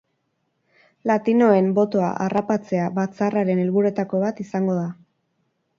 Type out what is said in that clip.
Latinoen botoa harrapatzea batzarraren helburuetako bat izango da.